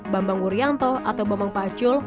bambang wuryanto atau bambang pacul